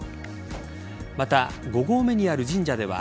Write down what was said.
また、５合目にある神社では